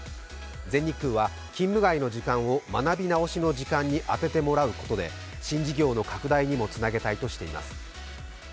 全日空は、勤務外の時間を学び直しの時間に充ててもらうことで新事業の拡大にもつなげたいとしています。